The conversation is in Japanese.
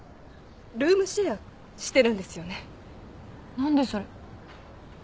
何でそれ。